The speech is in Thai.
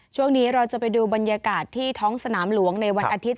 ช่วงนี้เราจะไปดูบรรยากาศที่ท้องสนามหลวงในวันอาทิตย